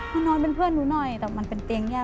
มานอนเป็นเพื่อนหนูหน่อยแต่มันเป็นเตียงยาก